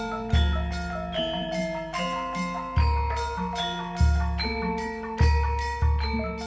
kalau brocel ya begini